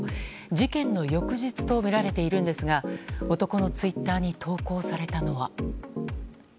事件の翌日とみられているんですが男のツイッターに投稿されたのは。